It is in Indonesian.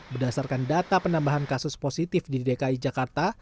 berdasarkan data penambahan kasus positif di dki jakarta